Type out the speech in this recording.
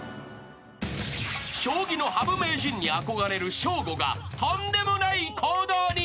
［将棋の羽生名人に憧れるショーゴがとんでもない行動に］